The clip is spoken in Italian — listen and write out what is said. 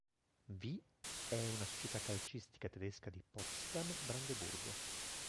V. è una società calcistica tedesca di Potsdam, Brandeburgo.